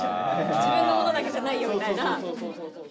自分のものだけじゃないよみたいな。